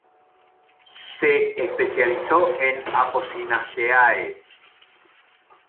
Se especializó en Apocynaceae.